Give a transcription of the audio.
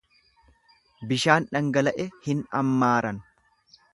Bishaan dhangala'e hin ammaaran.